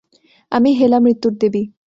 আমি হেলা মৃত্যুর দেবী।